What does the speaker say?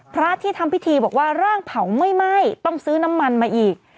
พระที่ทำพิธีบอกว่าร่างเผาไม่ไหม้ต้องซื้อน้ำมันมาอีก